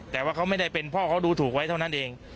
แต่ว่าเขาไม่ได้เป็นพ่อเขาดูถูกไว้เท่านั้นเอง